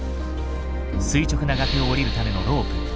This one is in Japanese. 垂直な崖を下りるためのロープ。